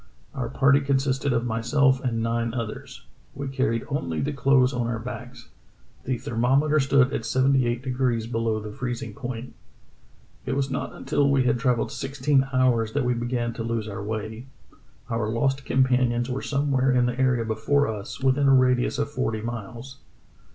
Our party consisted of myself and nine others. We carried only the clothes on our backs. The thermometer stood at seventy eight degrees below the freezing point. ... "It was not until we had travelled sixteen hours that we began to lose our way. Our lost companions were somewhere in the area before us, within a radius of forty miles.